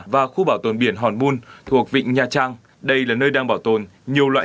và khu bảo tồn biển hòn bun thuộc vịnh nha trang đây là nơi đang bảo tồn nhiều loại